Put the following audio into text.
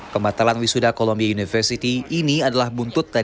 pematalan wisuda columbia university ini adalah buntut dari anak anak